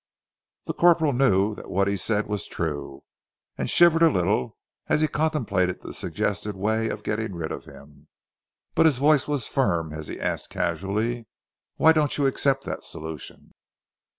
The corporal knew that what he said was true, and shivered a little as he contemplated the suggested way of getting rid of him, but his voice was firm as he asked casually, "Why don't you accept that solution?"